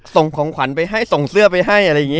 ส่งของขวัญไปให้ส่งเสื้อไปให้อะไรอย่างนี้